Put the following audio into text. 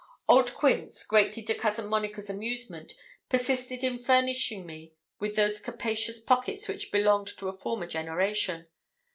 Old Quince, greatly to cousin Monica's amusement, persisted in furnishing me with those capacious pockets which belonged to a former generation.